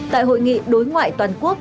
tại hội nghị đối ngoại toàn quốc